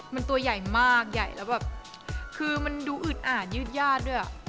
มันตัวใหญ่มากใหญ่แล้วแบบคือมันดูอืดอ่านยืดญาติด้วย